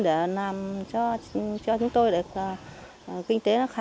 để làm cho chúng tôi được kinh tế nó khác hơn